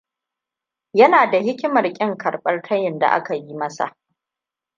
Yana da hikimar kin karɓar tayin da aka yi masa.